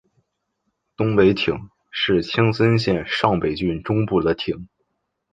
东北町是青森县上北郡中部的町。